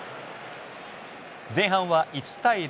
前半は１対０